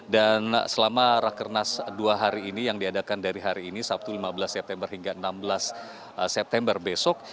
dan selama rakenas dua hari ini yang diadakan dari hari ini sabtu lima belas september hingga enam belas september besok